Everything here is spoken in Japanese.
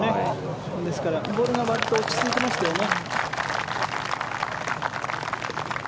ですからボールがわりと落ち着いていましたよね。